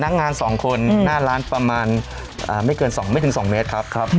พนักงานสองคนหน้าร้านประมาณไม่ถึง๒เมตรครับ